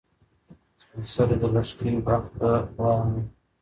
سپین سرې د لښتې بخت ته دعا ونه کړه.